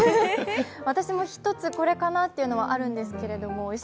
私も１つ、これかなというのはあるんですけれども。